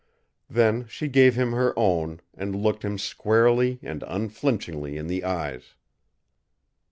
Then she gave him her own and looked him squarely and unflinchingly in the eyes.